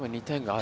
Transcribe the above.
あ！